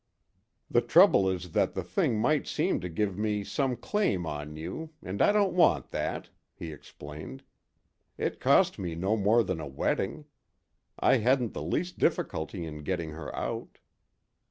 "The trouble is that the thing might seem to give me some claim on you, and I don't want that," he explained. "It cost me no more than a wetting; I hadn't the least difficulty in getting her out."